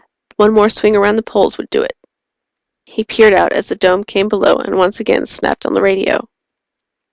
One more swing around the poles would do it. He peered out as the Dome came below and once again snapped on the radio.